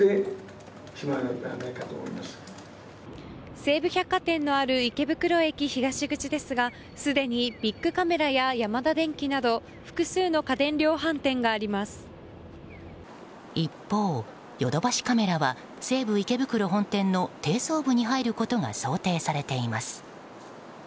西武百貨店のある池袋東口ですがすでにビックカメラやヤマダデンキなど一方、ヨドバシカメラは西武池袋本店の低層部に入ることが想定されています。